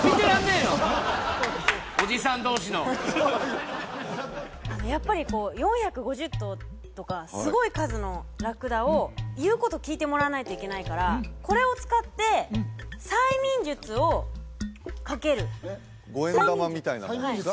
おじさん同士のやっぱりこう４５０頭とかすごい数のラクダを言うこと聞いてもらわないといけないからこれを使って催眠術をかける５円玉みたいなものですか？